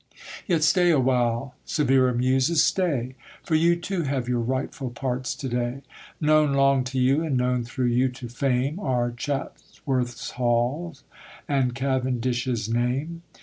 Yet stay a while, severer Muses, stay, For you, too, have your rightful parts to day. Known long to you, and known through you to fame, Are Chatsworth's halls, and Cavendish's name.